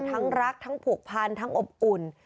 ทั้งรักทั้งผูกพันทั้งอบอุ่น